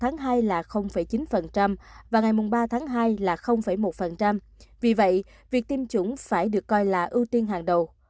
ngày hai là chín và ngày ba tháng hai là một vì vậy việc tiêm chủng phải được coi là ưu tiên hàng đầu